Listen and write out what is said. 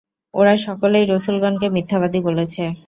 ওরা সকলেই রসূলগণকে মিথ্যাবাদী বলেছে।